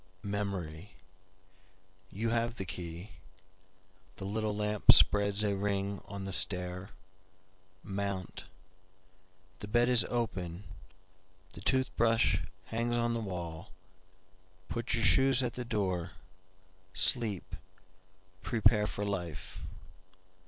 Memory! You have the key, The little lamp spreads a ring on the stair, Mount.The bed is open; the tooth brush hangs on the wall, Put your shoes at the door, sleep, prepare for life."